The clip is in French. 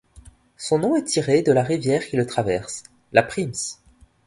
Son nom est tiré de la rivière qui le traverse, la Prims.